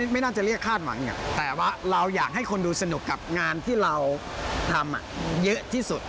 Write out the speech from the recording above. ไม่น่าจะเรียกคาดหวังแต่ว่าเราอยากให้คนดูสนุกกับงานที่เราทำเยอะที่สุด